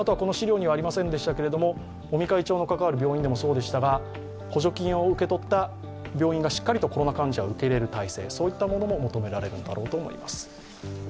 資料にはありませんでしたが、尾身会長の関わる病院でもそうでしたが、補助金を受け取った病院がしっかりとコロナ患者を受け入れる体制、そういったものも求められるんだろうと思います。